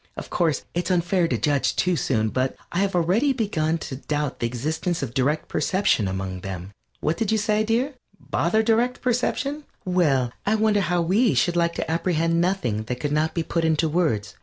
Of course, it is unfair to judge too soon, but I have already begun to doubt the existence of direct perception among them. What did you say, dear? Bother direct perception? Well, I wonder how we should like to apprehend nothing that could not be put into words?